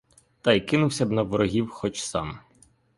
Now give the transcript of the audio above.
Та й кинувся б на ворогів хоч сам.